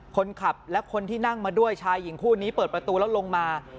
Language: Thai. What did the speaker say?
คนขับและคนที่นั่งมาด้วยชายหญิงคู่นี้เปิดประตูแล้วลงมา